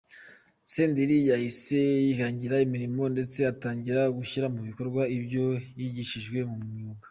Senderi yahise yihangira imirimo ndetse atangira gushyira mu bikorwa ibyo yigishijwe mu myuga.